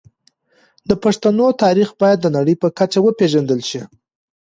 د پښتنو تاريخ بايد د نړۍ په کچه وپېژندل شي.